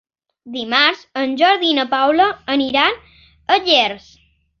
Dimarts en Jordi i na Paula aniran a Llers.